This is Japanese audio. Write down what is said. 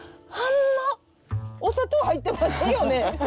お砂糖入ってませんよね？